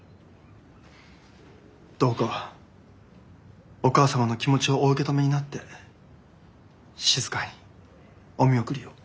どうかお母様の気持ちをお受け止めになって静かにお見送りを。